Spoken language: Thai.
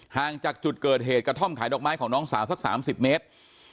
ห่างจากจุดเกิดเหตุกระท่อมขายดอกไม้ของน้องสาวสัก๓๐เมตร